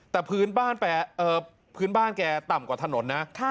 แต่พื้นบ้านแกต่ำกว่าถนนนะ